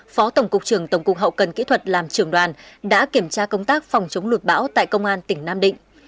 phó tổng cục trưởng tổng cục hậu cần kỹ thuật làm trưởng đoàn đã kiểm tra công tác phòng chống lụt bão tại công an tỉnh nam định